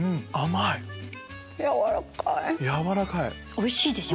おいしいでしょ？